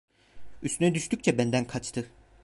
Üstüne düştükçe benden kaçtı.